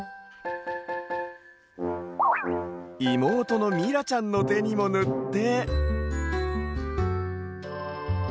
いもうとのみらちゃんのてにもぬって。